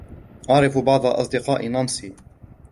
أعرف بعض أصدقاء نانسي.